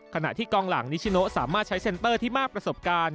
ขณะที่กองหลังนิชิโนสามารถใช้เซ็นเตอร์ที่มากประสบการณ์